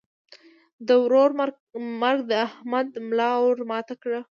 د ورور مرګ د احمد ملا ور ماته کړه.